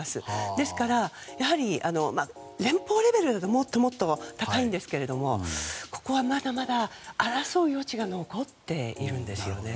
ですから、やはり連邦レベルだともっと高いんですけどここは、まだまだ争う余地が残っているんですよね。